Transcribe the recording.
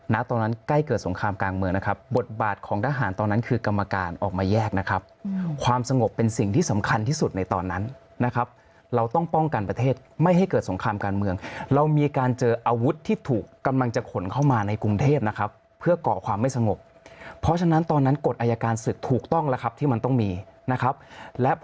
ตอนนั้นใกล้เกิดสงครามกลางเมืองนะครับบทบาทของทหารตอนนั้นคือกรรมการออกมาแยกนะครับความสงบเป็นสิ่งที่สำคัญที่สุดในตอนนั้นนะครับเราต้องป้องกันประเทศไม่ให้เกิดสงครามการเมืองเรามีการเจออาวุธที่ถูกกำลังจะขนเข้ามาในกรุงเทพนะครับเพื่อก่อความไม่สงบเพราะฉะนั้นตอนนั้นกฎอายการศึกถูกต้องแล้วครับที่มันต้องมีนะครับและพ